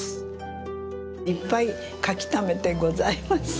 いっぱい書きためてございます。